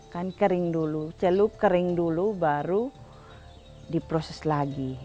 kan kering dulu celup kering dulu baru diproses lagi